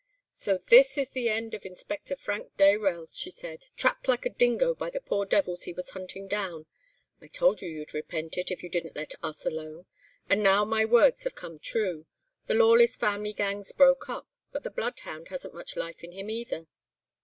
"'So this is the end of Inspector Frank Dayrell,' she said, 'trapped like a dingo by the poor devils he was hunting down. I told you you'd repent it, if you didn't let us alone. And now my words have come true; the Lawless family gang's broke up, but the bloodhound hasn't much life in him neither.